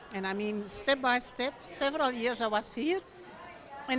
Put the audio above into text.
dan saya berpindah pindah beberapa tahun saya berada di sini